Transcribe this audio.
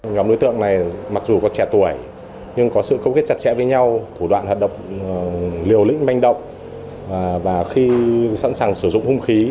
nhóm đối tượng này mặc dù có trẻ tuổi nhưng có sự câu kết chặt chẽ với nhau thủ đoạn hoạt động liều lĩnh manh động và khi sẵn sàng sử dụng hung khí